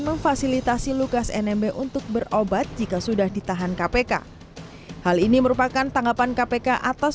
memfasilitasi lukas nmb untuk berobat jika sudah ditahan kpk hal ini merupakan tanggapan kpk atas